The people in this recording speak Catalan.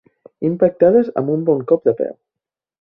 Impactades amb un bon cop de peu.